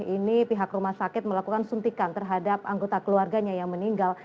ini pihak rumah sakit melakukan suntikan terhadap anggota keluarganya yang meninggal